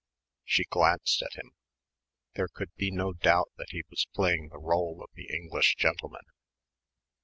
She glanced at him. There could be no doubt that he was playing the rôle of the English gentleman.